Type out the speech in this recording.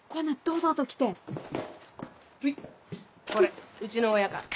ほいこれうちの親から。